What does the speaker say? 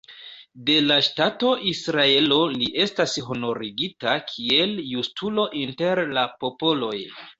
De la ŝtato Israelo li estas honorigita kiel "Justulo inter la popoloj".